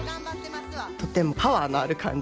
とてもパワーのある感じ。